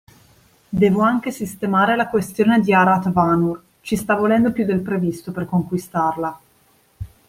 Devo anche sistemare la questione di Arat Vanur, ci sta volendo più del previsto per conquistarla.